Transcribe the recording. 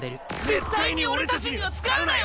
絶対に俺たちには使うなよ！